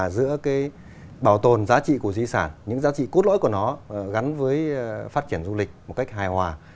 giữa cái bảo tồn giá trị của di sản những giá trị cốt lõi của nó gắn với phát triển du lịch một cách hài hòa